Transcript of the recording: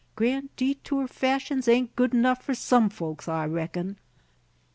Grand Detour fashi'ns ain't good 'nough for some folks, I reckon."